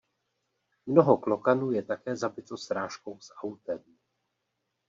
Mnoho klokanů je také zabito srážkou s autem.